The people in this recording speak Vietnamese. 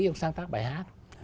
ông sáng tác bài hát